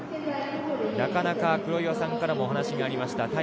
なかなか、黒岩さんからもお話がありました